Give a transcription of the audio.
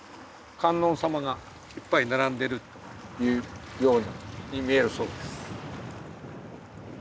観音様がいっぱい並んでるように見えるそうです。